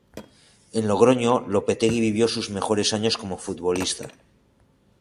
En Logroño, Lopetegui vivió sus mejores años como futbolista.